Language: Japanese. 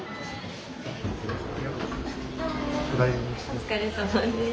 お疲れさまです。